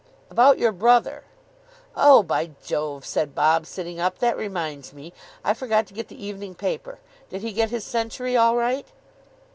"About your brother." "Oh, by Jove," said Bob, sitting up. "That reminds me. I forgot to get the evening paper. Did he get his century all right?"